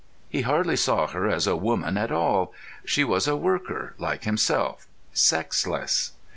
He hardly saw her as a woman at all. She was a worker, like himself; sexless.